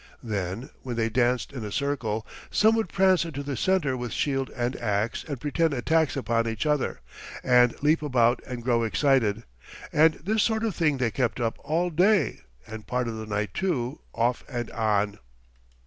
Then, when they danced in a circle, some would prance into the center with shield and ax and pretend attacks upon each other, and leap about and grow excited; and this sort of thing they kept up all day (and part of the night, too) off and on.